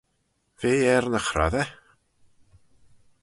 V'eh er ny chrossey?